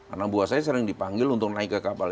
anak buah saya sering dipanggil untuk naik ke kapal